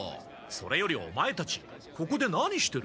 それよりオマエたちここで何してる？